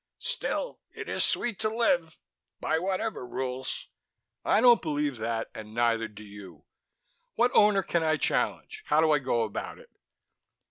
"Still, it is sweet to live by whatever rules " "I don't believe that ... and neither do you. What Owner can I challenge? How do I go about it?"